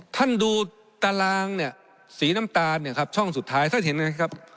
ท่านดูตารางเนี่ยสีน้ำตาลเนี่ยครับช่องสุดท้ายท่านเห็นไงครับ